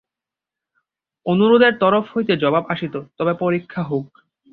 অনুরোধের তরফ হইতে জবাব আসিত, তবে পরীক্ষা হউক।